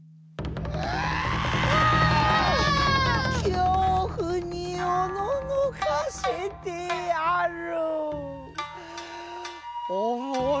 恐怖におののかせてやる。